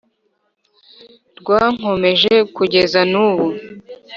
rwankomeje kugeza n’ubu